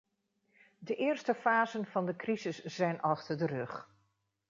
De eerste fasen van de crisis zijn achter de rug.